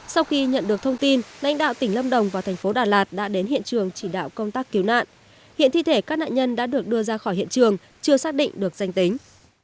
sau khi nhận được thông tin lãnh đạo tỉnh lâm đồng và thành phố đà lạt đã đến hiện trường chỉ đạo công tác cứu nạn hiện thi thể các nạn nhân đã được đưa ra khỏi hiện trường chưa xác định được danh tính